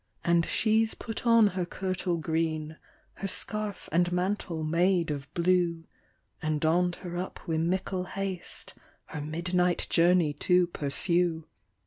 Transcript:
• OF DEATH. 115 And she's put on her kertle green, Her scarf and mantle made of blue And donn'd her up wi' mickle haste, Her midnight journey to pursue.